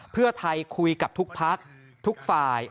เพื่อไทยคุยกับทุกพักทุกฝ่าย